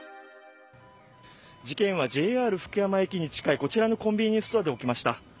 事件はＪＲ福山駅に近いこちらのコンビニエンスストアで起きました。